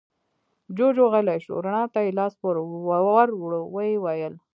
جوجُو غلی شو، رڼا ته يې لاس ور ووړ، ويې ويل: